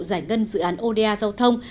giải ngân dự án oda giao thông